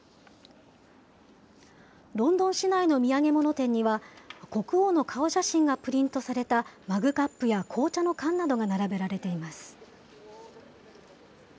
ロンドン市内の土産物店には、国王の顔写真がプリントされたマグカップや紅茶の缶などが並べられています。